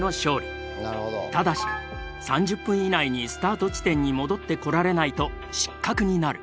ただし３０分以内にスタート地点に戻ってこられないと失格になる。